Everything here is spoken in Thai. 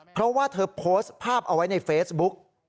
เพราะว่าเธอโพสต์ภาพเอาไว้ในเฟซบุ๊ก